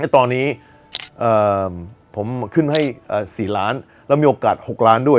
ตอนนี้ผมขึ้นให้๔ล้านแล้วมีโอกาส๖ล้านด้วย